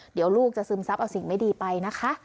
เดี๋ยวลูกจะซึมซับเอาสิ่งไม่ดีไปนะคะ